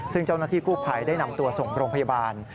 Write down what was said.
ซึ่งเจ้าหน้าที่กู้ภัยได้นำตัวส่งโรงพยาบาล